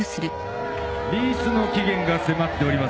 リースの期限が迫っております。